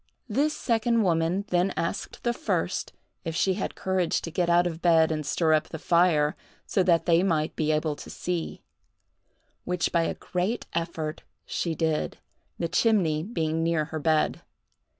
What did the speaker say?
This second woman then asked the first if she had courage to get out of bed and stir up the fire, so that they might be able to see; which by a great effort she did, the chimney being near her bed.